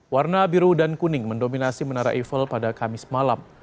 warna biru dan kuning mendominasi menara eiffel pada kamis malam